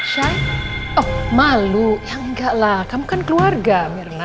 saya oh malu ya enggak lah kamu kan keluarga mirna